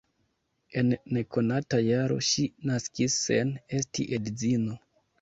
En nekonata jaro ŝi naskis sen esti edzino.